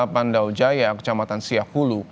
pandau jaya kecamatan siah hulu